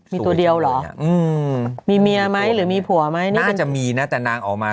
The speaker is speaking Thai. มีตัวเดียวเหรออืมมีเมียไหมหรือมีผัวไหมนี่น่าจะมีนะแต่นางออกมา